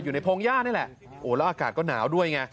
พงหญ้านี่แหละโอ้แล้วอากาศก็หนาวด้วยไง